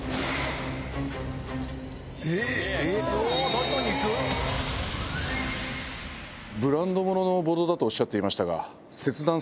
大胆にいく⁉ブランド物のボードだとおっしゃっていましたが。